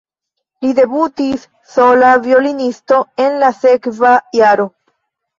Li debutis sola violonisto en la sekva jaro.